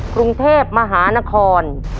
กรุงเทพมหานคร